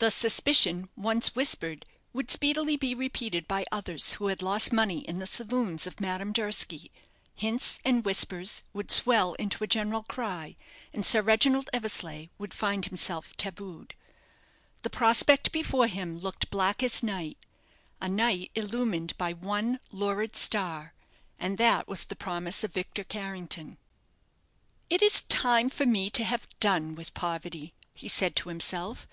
The suspicion once whispered would speedily be repeated by others who had lost money in the saloons of Madame Durski. Hints and whispers would swell into a general cry, and Sir Reginald Eversleigh would find himself tabooed. The prospect before him looked black as night a night illumined by one lurid star, and that was the promise of Victor Carrington. "It is time for me to have done with poverty," he said to himself.